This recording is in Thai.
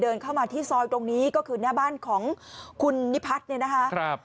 เข้ามาที่ซอยตรงนี้ก็คือหน้าบ้านของคุณนิพัฒน์เนี่ยนะคะ